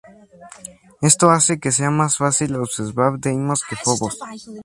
Esto hace que sea más fácil observar Deimos que Fobos.